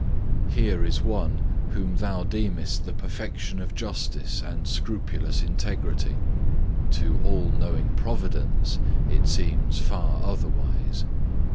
Here is one whom thou deemest the perfection of justice and scrupulous integrity; to all knowing Providence it seems far otherwise.